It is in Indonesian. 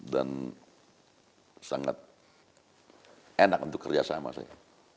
dan sangat enak untuk kerja sama saya